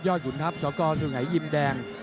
ย่อหยุ่นทัพสกสุ่งไหยยิมแดง